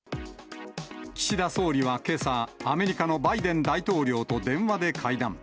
岸田総理はけさ、アメリカのバイデン大統領と電話で会談。